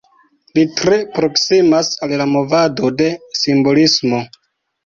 Li tre proksimas al la movado de simbolismo.